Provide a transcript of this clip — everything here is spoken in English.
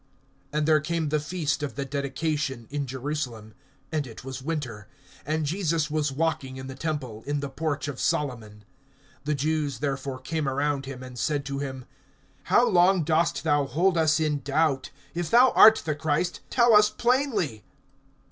(22)And there came the feast of the dedication, in Jerusalem; and it was winter. (23)And Jesus was walking in the temple, in the porch of Solomon. (24)The Jews therefore came around him, and said to him: How long dost thou hold us in doubt[10:24]? If thou art the Christ, tell us plainly.